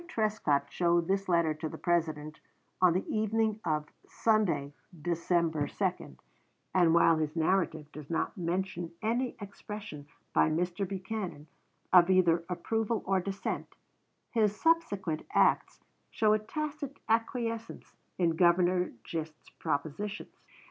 Trescott showed this letter to the President on the evening of Sunday, December 2, and while his narrative does not mention any expression by Mr. Buchanan of either approval or dissent, his subsequent acts show a tacit acquiescence in Governor Gist's propositions.